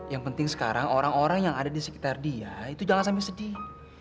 yang penting sekarang orang orang yang ada di sekitar dia itu jangan sampai sedih